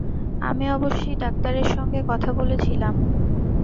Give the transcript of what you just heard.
আমি অবশ্যি ডাক্তারের সঙ্গে কথা বলেছিলাম।